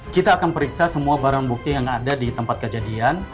kita akan periksa semua barang bukti yang ada di tempat kejadian